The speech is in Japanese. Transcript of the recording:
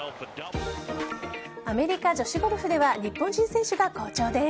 アメリカ女子ゴルフでは日本人選手が好調です。